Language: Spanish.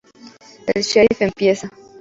El Sheriff empieza.